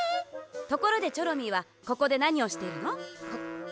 ところでチョロミーはここでなにをしているの？